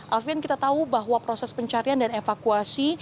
alvian kita tahu bahwa proses pencarian dan evakuasi